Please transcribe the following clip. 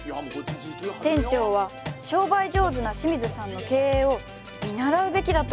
店長は商売上手な清水さんの経営を見習うべきだと思います